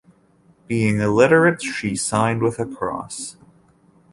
Being illiterate, she signed with a cross.